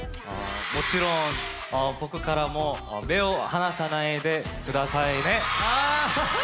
もちろん僕からも目を離さないでくださいね。